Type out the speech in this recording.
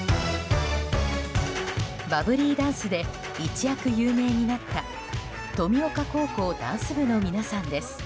バブリーダンスで一躍有名になった登美丘高校ダンス部の皆さんです。